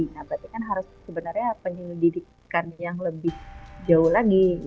nah berarti kan harus sebenarnya penyelidikan yang lebih jauh lagi